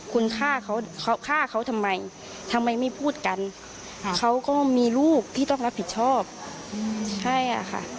คุณฆ่าเขาเขาฆ่าเขาทำไมทำไมไม่พูดกันเขาก็มีลูกที่ต้องรับผิดชอบใช่ค่ะ